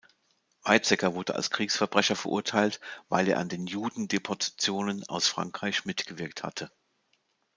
Weizsäcker wurde als Kriegsverbrecher verurteilt, weil er an den Judendeportationen aus Frankreich mitgewirkt hatte.